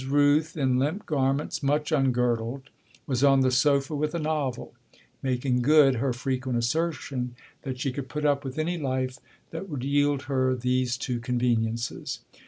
Rooth, in limp garments much ungirdled, was on the sofa with a novel, making good her frequent assertion that she could put up with any life that would yield her these two conveniences.